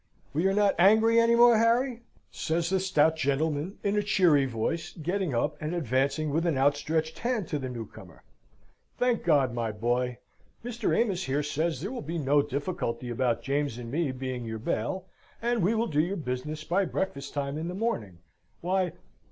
"We are not angry any more, Harry!" says the stout gentleman, in a cheery voice, getting up and advancing with an outstretched hand to the new comer. "Thank God, my boy! Mr. Amos here says, there will be no difficulty about James and me being your bail, and we will do your business by breakfast time in the morning. Why...